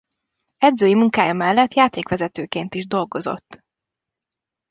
Edzői munkája mellett játékvezetőként is dolgozott.